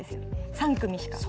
３組しか。